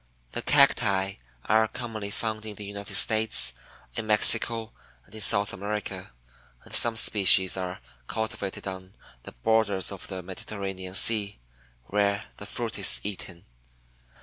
The Cacti are commonly found in the United States, in Mexico, and in South America, and some species are cultivated on the borders of the Mediterranean Sea, where the fruit is eaten.